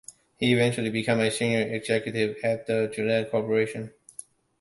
He eventually became a senior executive at the Gillette Corporation.